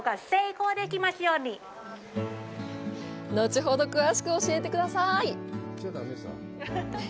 後ほど詳しく教えてください。